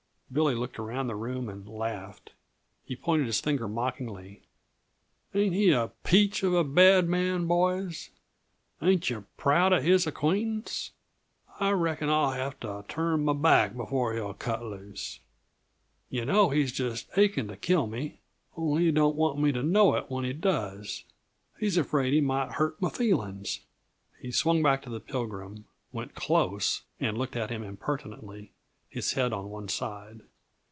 Billy looked around the room and laughed. He pointed his finger mockingly "Ain't he a peach of a Bad Man, boys? Ain't yuh proud uh his acquaintance? I reckon I'll have to turn my back before he'll cut loose. Yuh know, he's just aching t' kill me only he don't want me to know it when he does! He's afraid he might hurt m' feelings!" He swung back to the Pilgrim, went close, and looked at him impertinently, his head on one side.